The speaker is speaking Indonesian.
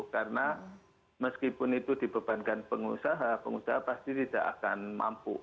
karena meskipun itu dibebankan pengusaha pengusaha pasti tidak akan mampu